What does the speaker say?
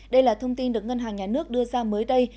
đây là thông tin được ngân hàng nhà nước đưa ra mới đây